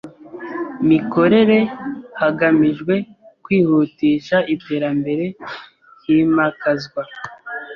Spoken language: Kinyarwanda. mikorere hagamijwe kwihutisha iterambere himakazwa